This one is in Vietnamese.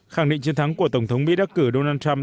khẳng định chiến thắng của tổng thống mỹ đắc cử donald trump